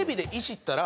ったら